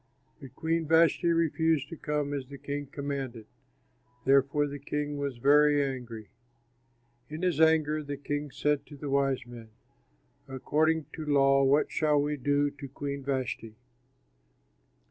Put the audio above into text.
But Queen Vashti refused to come as the king commanded. Therefore the king was very angry. In his anger the king said to the wise men, "According to law what shall we do to Queen Vashti?"